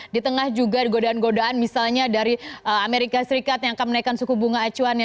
di tengah juga godaan godaan misalnya dari amerika serikat yang akan menaikkan suku bunga acuannya